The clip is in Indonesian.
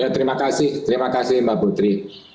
terima kasih terima kasih mbak putri